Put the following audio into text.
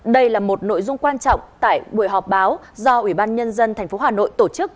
đây là một nội dung quan trọng tại buổi họp báo do ủy ban nhân dân tp hà nội tổ chức